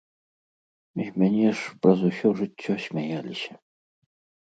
З мяне ж праз усё жыццё смяяліся.